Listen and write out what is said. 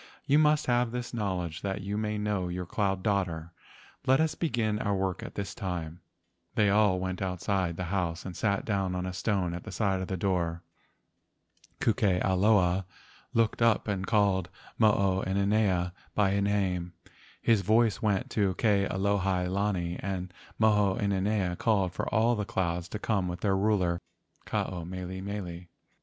You must have this knowledge that you may know your cloud daughter. Let us begin our work at this time." They all went outside the house and sat down on a stone at the side of the door. Ku ke ao loa looked up and called Mo o inanea by name. His voice went to Ke alohi THE MAID OF THE GOLDEN CLOUD 131 lani, and Mo o inanea called for all the clouds to come with their ruler Ke ao mele mele.